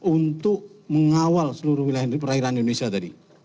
untuk mengawal seluruh wilayah di perairan indonesia tadi